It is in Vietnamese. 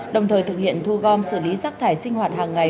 đồng thời thực hiện thu gom xử lý rác thải sinh hoạt hàng ngày